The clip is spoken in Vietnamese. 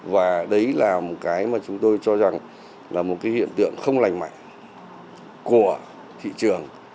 và đấy là một cái mà chúng tôi cho rằng là một cái hiện tượng không lành mạnh của thị trường